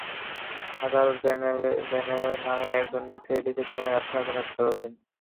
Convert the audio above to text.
Father Brannen নামে একজন নিচে রিসেপশনে আপনার জন্য অপেক্ষা করছেন।